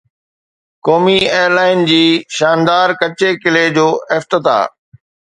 قومي ايئرلائن جي شاندار ڪچي قلعي جو افتتاح